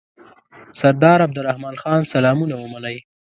سردار عبدالرحمن خان سلامونه ومنئ.